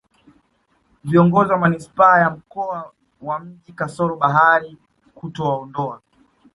viongozi wa manispaa ya mkoa wa mji kasoro bahari kutowaondoa